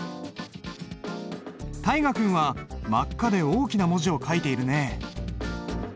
大河君は真っ赤で大きな文字を書いているね。